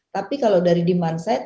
tapi kalau dari demand side